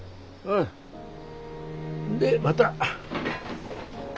んでまた。